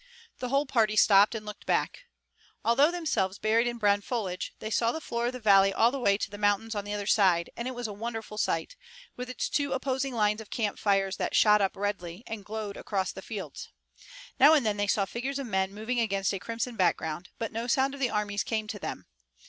The whole party stopped and looked back. Although themselves buried in brown foliage they saw the floor of the valley all the way to the mountains on the other side, and it was a wonderful sight, with its two opposing lines of camp fires that shot up redly and glowed across the fields. Now and then they saw figures of men moving against a crimson background, but no sound of the armies came to them.